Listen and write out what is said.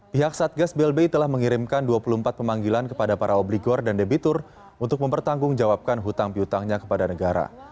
pihak satgas blbi telah mengirimkan dua puluh empat pemanggilan kepada para obligor dan debitur untuk mempertanggungjawabkan hutang piutangnya kepada negara